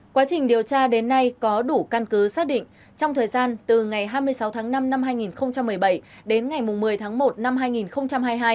quá trình điều tra đến nay có đủ căn cứ xác định trong thời gian từ ngày hai mươi sáu tháng năm năm hai nghìn một mươi bảy đến ngày một mươi tháng một năm hai nghìn hai mươi hai